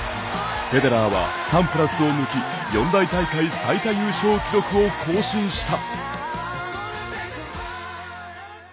フェデラーはサンプラスを抜き四大大会最多優勝記録を更新した。